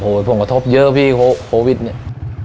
ผลกระทบเยอะพี่โควิดเนี่ย